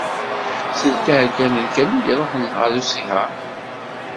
Ttelt iεeggalen kan i d-iruḥen ɣer usiher.